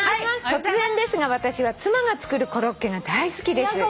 突然ですが私は妻が作るコロッケが大好きです」